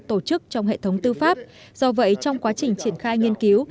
tổ chức trong hệ thống tư pháp do vậy trong quá trình triển khai nghiên cứu